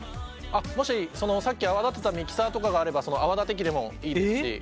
もしさっき泡立てたミキサーとかがあればその泡立て器でもいいですし。